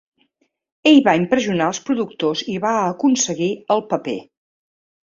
Ell va impressionar als productors i va aconseguir el paper.